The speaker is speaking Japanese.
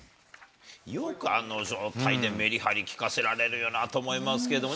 よくあの状態でメリハリきかせられるよなと思いますけどね。